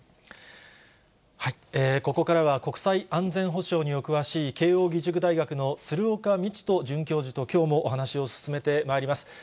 ここからは、国際安全保障にお詳しい、慶応義塾大学の鶴岡路人准教授と、きょうもお話を進めてまいります。